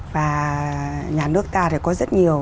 và nhà nước ta thì có rất nhiều